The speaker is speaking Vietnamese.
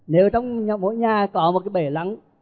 nếu trong mỗi nhà có một cái bể lặng